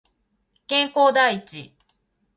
健康第一